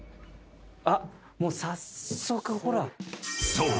［そう。